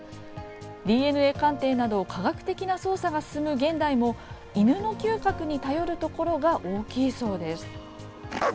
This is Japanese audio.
ＤＮＡ鑑定など科学的な捜査が進む現代も犬の嗅覚に頼るところが大きいそうです。